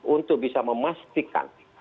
untuk bisa memastikan